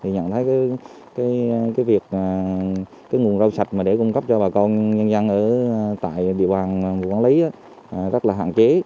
nhận thấy việc cái nguồn rau sạch để cung cấp cho bà con nhân dân ở tại địa bàn quản lý rất là hạn chế